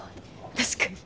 確かに。